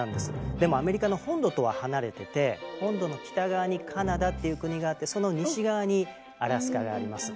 でもアメリカの本土とは離れてて本土の北側にカナダという国があってその西側にアラスカがあります。